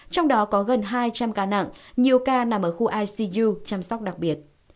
trong đó có gần hai trăm linh ca nặng nhiều ca nằm ở khu icu chăm sóc đặc biệt